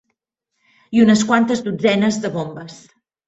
...i unes quantes dotzenes de bombes